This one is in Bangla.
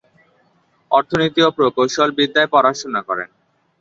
অর্থনীতি ও প্রকৌশলবিদ্যায় পড়াশোনা করেন।